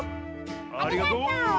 ありがとう！